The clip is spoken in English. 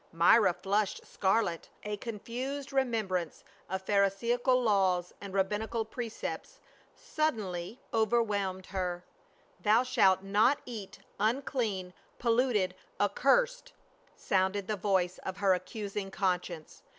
Myra flushed scarlet, a confused remembrance of Pharisaical laws and rabbinical precepts suddenly over 82 PA UL. whelmed her. " Thou shalt not cat — unclean — pol luted — accursed!" sounded the voice of her accusing conscience.